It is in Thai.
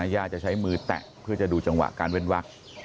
ญาติจะใช้มือแตะเพื่อจะดูจังหวะการเว้นวัก